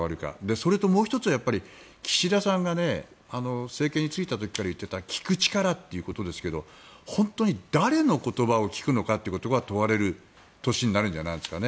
それともう１つは岸田さんが政権についた時から言っていた聞く力ということですが本当に誰の言葉を聞くのかが問われる年になるんじゃないですかね。